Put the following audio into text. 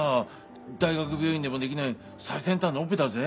大学病院でもできない最先端のオペだぜ。